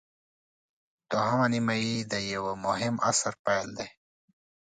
دوهمه نیمايي د یوه مهم عصر پیل دی.